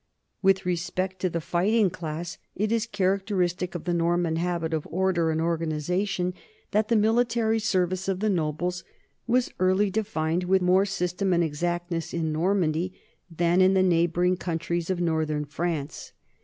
With respect to the fighting class, it is characteristic of the Norman habit of order and organization that the military service of the nobles was early defined with more system and exactness in Normandy than in the neighboring countries of northern France.